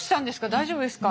大丈夫ですか？